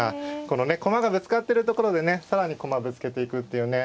このね駒がぶつかってるところでね更に駒ぶつけていくっていうね